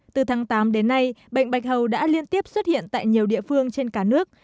từ tháng tám đến nay bệnh bạch hầu đã liên tiếp xuất hiện tại nhiều địa phương trên cả nước